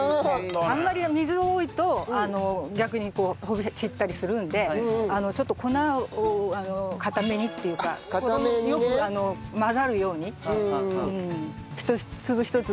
あんまり水が多いと逆に散ったりするのでちょっと粉をかためにっていうか衣によく混ざるように一粒一粒